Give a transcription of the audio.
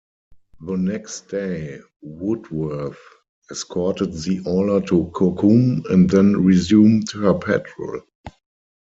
The next day, "Woodworth" escorted the oiler to Kukum and then resumed her patrol.